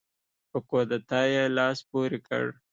په کودتا یې لاس پورې کړ.